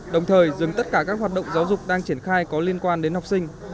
đồng thời dừng tất cả các hoạt động giáo dục đang triển khai có liên quan đến học sinh